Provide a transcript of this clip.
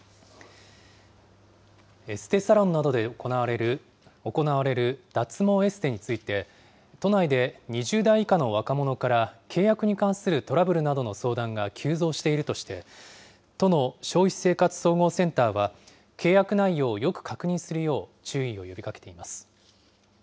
エステサロンなどで行われる脱毛エステについて、都内で２０代以下の若者から契約に関するトラブルなどの相談が急増しているとして、都の消費生活総合センターは、契約内容をよく確認するよう注意を呼びかけています。